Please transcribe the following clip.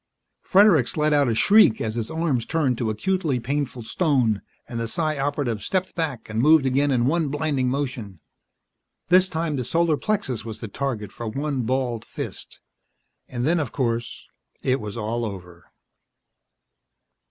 Fredericks let out a shriek as his arms turned to acutely painful stone, and the Psi Operative stepped back and moved again in one blinding motion. This time the solar plexus was the target for one balled fist. And then, of course, it was all over.